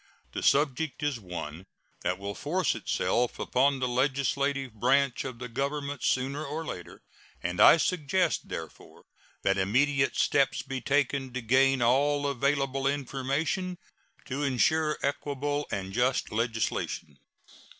The subject is one that will force itself upon the legislative branch of the Government sooner or later, and I suggest, therefore, that immediate steps be taken to gain all available information to insure equable and just legislation.